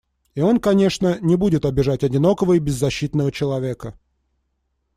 И он, конечно, не будет обижать одинокого и беззащитного человека.